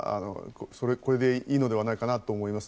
これでいいのではないかなと思います。